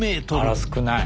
あら少ない。